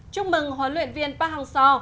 chúc mừng huấn luyện viên park hang seo